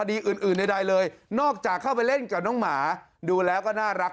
เดินกับน้องหมาดูแล้วก็น่ารัก